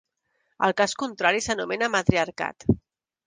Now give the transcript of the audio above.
El cas contrari s'anomena matriarcat.